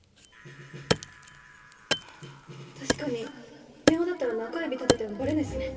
確かに電話だったら中指立ててもバレないっすね。